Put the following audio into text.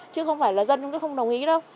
chứ không phải là dân chúng tôi không đồng ý đâu